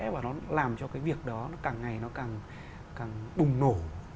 và nó làm cho cái việc đó nó càng ngày nó càng bùng nổ